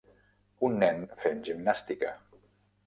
Un nen fent gimnàstica